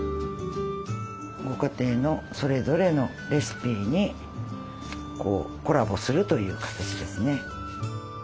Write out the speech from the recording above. ご家庭のそれぞれのレシピにコラボするという形ですね。